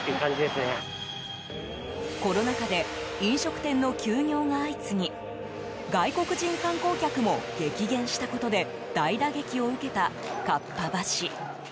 コロナ禍で飲食店の休業が相次ぎ外国人観光客も激減したことで大打撃を受けた、かっぱ橋。